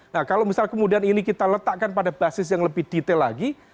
nah kalau misal kemudian ini kita letakkan pada basis yang lebih detail lagi